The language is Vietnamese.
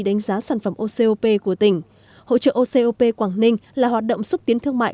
đánh giá sản phẩm ocop của tỉnh hội trợ ocop quảng ninh là hoạt động xúc tiến thương mại